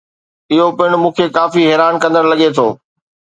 اهو پڻ مون کي ڪافي حيران ڪندڙ لڳي ٿو.